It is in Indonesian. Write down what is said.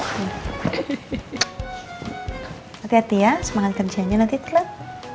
hati hati ya semangat kerjanya nanti telat